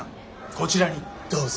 こちらにどうぞ！